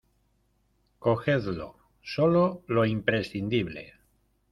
cogedlo ; solo lo imprescindible.